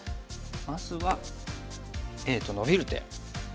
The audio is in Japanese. まずはＡとノビる手。